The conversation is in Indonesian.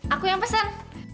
aku yang pesen